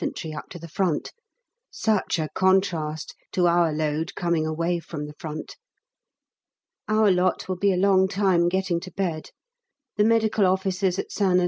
up to the front, such a contrast to our load coming away from the front. Our lot will be a long time getting to bed; the Medical Officers at St N.